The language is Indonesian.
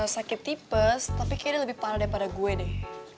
sakit tipes tapi kayaknya lebih parah daripada gue deh